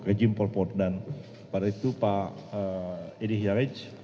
regime pol pol dan pada itu pak edi hjaric